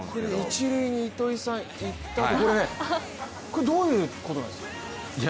一塁に糸井さんが行ったところでこれ、どういうことなんですか？